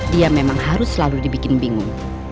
dia memang harus selalu dibikin bingung